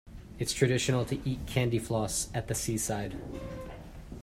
It's traditional to eat candy floss at the seaside